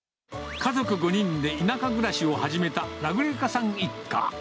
家族５人で田舎暮らしを始めたラグレカさん一家。